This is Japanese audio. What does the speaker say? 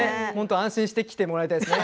安心して聴いてもらいたいです。